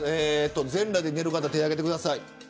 全裸で寝る方手を挙げてください。